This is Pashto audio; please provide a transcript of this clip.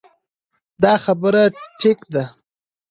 دا خبره ټيک ده -